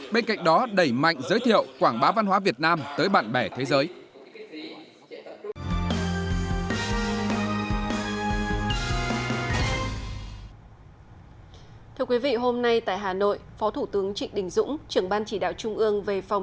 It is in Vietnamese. bên cạnh đó đẩy mạnh giới thiệu quảng bá văn hóa việt nam tới bạn bè thế giới